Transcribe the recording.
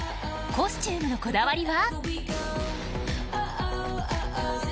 コスチュームのこだわりは？